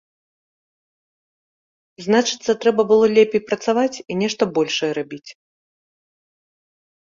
Значыцца, трэба было лепей працаваць і нешта большае рабіць.